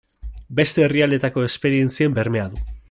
Beste herrialdeetako esperientzien bermea du.